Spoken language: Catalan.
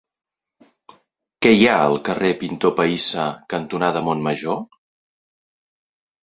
Què hi ha al carrer Pintor Pahissa cantonada Montmajor?